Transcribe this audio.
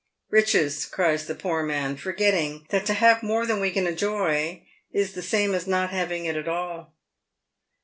" Eiches," cries the poor man, forgetting that to have more than we can enjoy is the same as not having it at all.